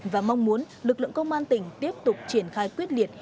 và mong muốn lực lượng công an tỉnh tiếp tục triển khai quyết liệt